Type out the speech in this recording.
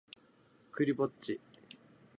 クリぼっち